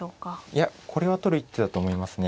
いやこれは取る一手だと思いますね。